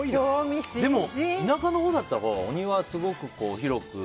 でも、田舎のほうだったらお庭がすごく広く。